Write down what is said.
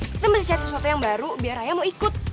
kita mesti cari sesuatu yang baru biar ayah mau ikut